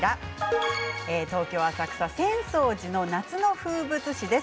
東京・浅草浅草寺の夏の風物詩です。